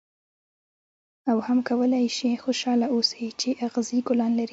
او هم کولای شې خوشاله اوسې چې اغزي ګلان لري.